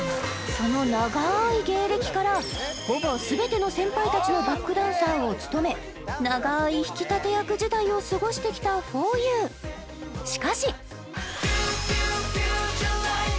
その長い芸歴からほぼ全ての先輩たちのバックダンサーを務め長い引き立て役時代を過ごしてきたふぉゆしかしＦｕ−Ｆｕ−ＦｕｔｕｒｅＬｉｇｈｔ